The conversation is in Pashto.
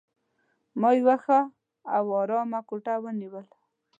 ما یوه ښه او آرامه کوټه ونیول.